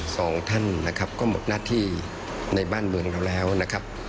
สองท่านนะครับก็หมดหน้าที่ในบ้านเมืองเราแล้วนะครับ